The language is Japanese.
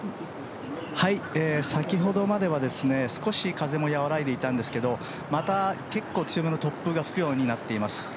先ほどまでは少し風も和らいでいたんですけどまた結構強めの突風が吹くようになっています。